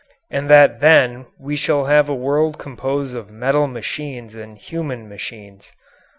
And that then we shall have a world composed of metal machines and human machines.